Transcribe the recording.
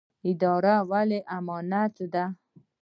اداره ولې امانت ده؟